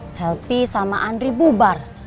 selvi sama andri bubar